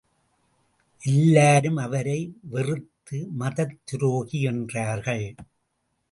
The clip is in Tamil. எல்லாரும் அவரை வெறுத்து மதத் துரோகி என்றார்கள்.